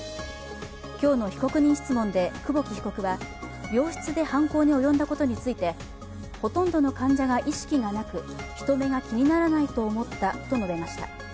今日の被告人質問で久保木被告は、病室で犯行に及んだことについてほとんどの患者が意識がなく、人目が気にならないと思ったと述べました。